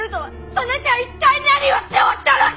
そなた一体何をしておったのじゃ！